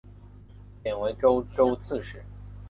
贬为川州刺史。